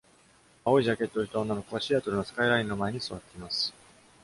青いジャケットを着た女の子がシアトルのスカイラインの前に座っています。